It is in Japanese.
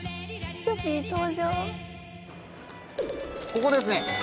ここですね。